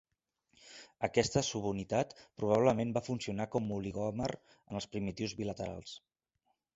Aquesta subunitat probablement va funcionar com oligòmer en els primitius bilaterals.